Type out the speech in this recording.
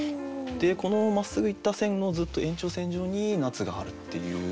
このまっすぐいった線のずっと延長線上に夏があるっていう。